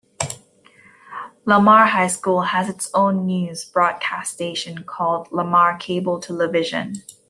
Lamar High School has its own news broadcast station called Lamar Cable Television.